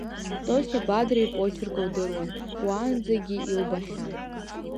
Тосиа Бадра ипочерк лдыруан, уаанӡагьы илбахьан.